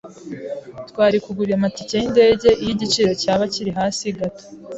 Twari kugura amatike yindege iyo igiciro cyaba kiri hasi gato.